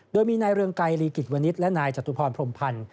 โดยมีนายเรืองไกรลีกิจวนิษฐ์และนายจตุพรพรมพันธ์